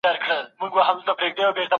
ګوره یو څه درته وایم دا تحلیل دي ډېر نا سم دی